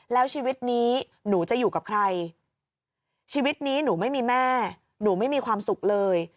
แล้วชีวิตนี้หนูจะอยู่กับใครชีวิตนี้หนูไม่มีแม่หนูไม่มีความสุขเลย